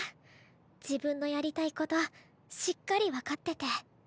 自分のやりたいことしっかり分かってて。